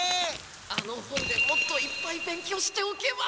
あのほんでもっといっぱいべんきょうしておけば。